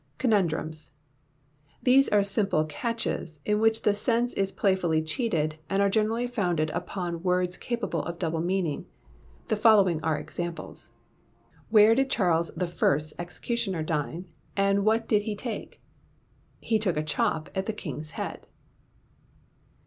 ] 56. Conundrums. These are simple catches, in which the sense is playfully cheated, and are generally founded upon words capable of double meaning. The following are examples: Where did Charles the First's executioner dine, and what did he take? _He took a chop at the King's Head.